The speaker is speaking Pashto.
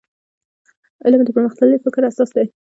علم د پرمختللي فکر اساس دی.